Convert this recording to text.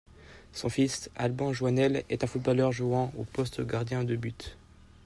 Son fils, Alban Joinel, est un footballeur jouant au poste de gardien de but.